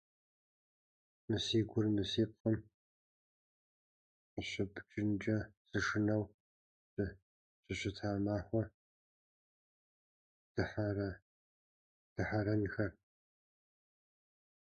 Мы си гур мы си пкъым къыщыпкӀынкӀэ сышынэу щыщыта махуэ дыхьэрэнхэр?